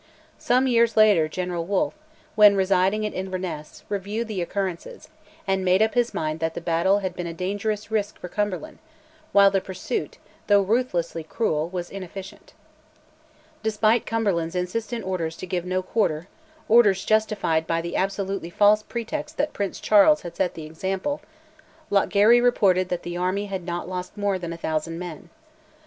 Some years later General Wolfe, then residing at Inverness, reviewed the occurrences, and made up his mind that the battle had been a dangerous risk for Cumberland, while the pursuit (though ruthlessly cruel) was inefficient. Despite Cumberland's insistent orders to give no quarter (orders justified by the absolutely false pretext that Prince Charles had set the example), Lochgarry reported that the army had not lost more than a thousand men.